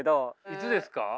いつですか？